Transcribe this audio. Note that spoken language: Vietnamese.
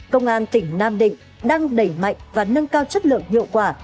công an tỉnh nam định đang đẩy mạnh và nâng cao chất lượng hiệu quả